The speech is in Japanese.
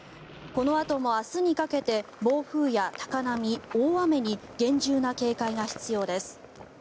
このあとも明日にかけて暴風や高波、大雨に厳重な警戒が必要です。